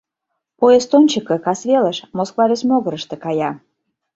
Поезд ончыко, касвелыш, Москва вес могырышто кая.